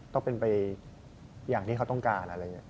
ก็เป็นไปอย่างที่เขาต้องการอะไรอย่างนี้